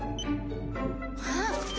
あっ！